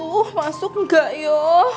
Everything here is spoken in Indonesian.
aduh masuk gak ya